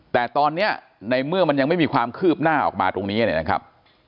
แต่ตอนนี้ในเมื่อมันยังไม่มีความคืบหน้าออกมาตรงนี้เนี่ยนะครับ